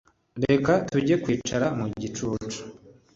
Reka tujye kwicara mu gicucu